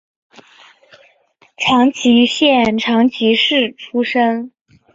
长崎县长崎市出身。